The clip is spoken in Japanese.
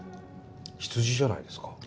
羊じゃないですか？